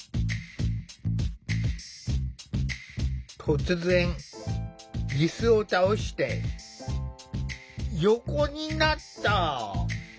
突然いすを倒して横になった。